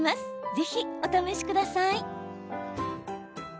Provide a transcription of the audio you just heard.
ぜひ、お試しください。